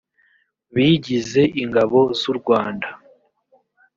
bigize ingabo z u rwanda